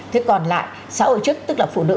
thế còn lại xã hội chức tức là phụ nữ